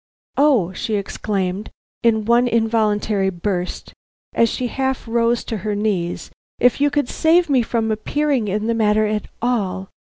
"O," she exclaimed in one involuntary burst, as she half rose to her knees, "if you could save me from appearing in the matter at all!